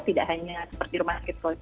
tidak hanya seperti rumah sekit boja